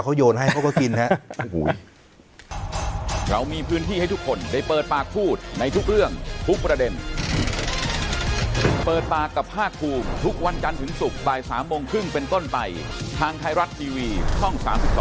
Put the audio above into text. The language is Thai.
เขาโยนให้เขาก็กิน